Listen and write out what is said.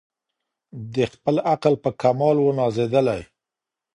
د خپل عقل په کمال وو نازېدلی